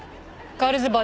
ガールズバー？